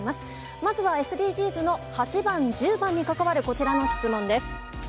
まずはＳＤＧｓの８番、１０番に関わるこちらの質問です。